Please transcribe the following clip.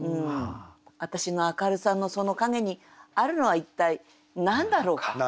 私の明るさのその陰にあるのは一体何だろうか。